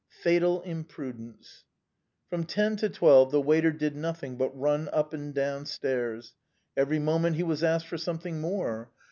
Fatal imprudence ! From ten to twelve the waiter did nothing but run up and downstairs. Every moment he was asked for something more.